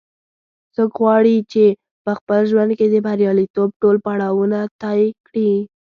څوک غواړي چې په خپل ژوند کې د بریالیتوب ټول پړاوونه طې کړي